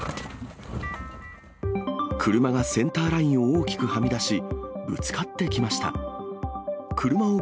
車がセンターラインを大きくはみ出し、ぶつかってきました。